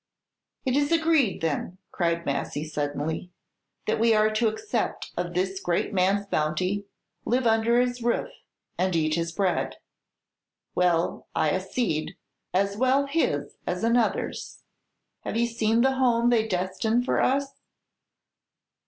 "It is agreed, then," cried Massy, suddenly, "that we are to accept of this great man's bounty, live under his roof, and eat his bread. Well, I accede, as well his as another's. Have you seen the home they destine for us?"